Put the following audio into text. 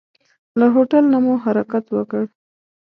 له هوټل نه مو حرکت وکړ.